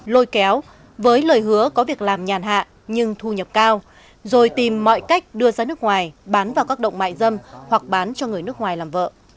lôi kéo với lời hứa có việc làm nhàn hạ nhưng thu nhập cao rồi tìm mọi cách đưa ra nước ngoài bán vào các động mại dâm hoặc bán cho người nước ngoài làm vợ